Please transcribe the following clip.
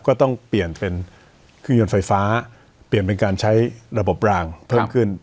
ก็ต้องเปลี่ยนเป็นเครื่องยนต์ไฟฟ้าเปลี่ยนเป็นการใช้ระบบรางเพิ่มขึ้น